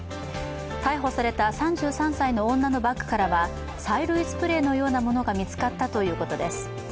逮捕された３３歳の女のバッグからは、催涙スプレーのようなものが見つかったということです。